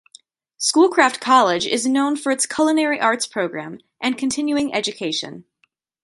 Schoolcraft College is known for its culinary arts program and continuing education.